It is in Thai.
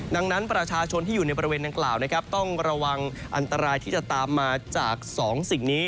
ดังนั้นประชาชนที่อยู่ในบริเวณดังกล่าวนะครับต้องระวังอันตรายที่จะตามมาจาก๒สิ่งนี้